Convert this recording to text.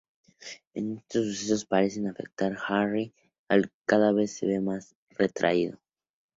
Esos sucesos parecen afectar a Harry, al que cada vez se ve más retraído.